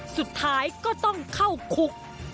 สุดท้ายก็ต้องเข้าคุก